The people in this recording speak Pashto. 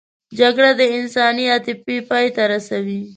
جګړه د انساني عاطفې پای ته رسوي